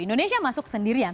indonesia masuk sendirian